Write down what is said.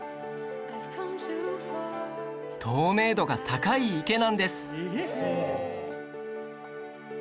透明度が高い池なんです